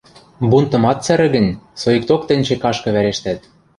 Бунтым ат цӓрӹ гӹнь, соикток тӹнь чекашкы вӓрештӓт.